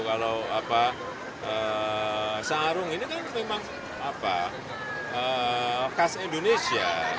kalau sarung ini kan memang khas indonesia